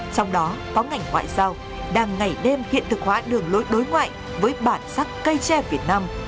trong đó có ngành ngoại giao đang ngày đêm hiện thực hóa đường lối đối ngoại với bản sắc cây tre việt nam